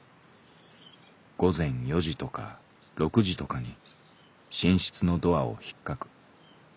午前四時とか六時とかに寝室のドアをひっかく。